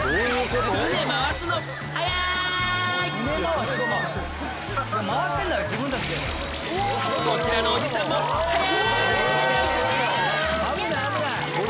［こちらのおじさんもはやい！］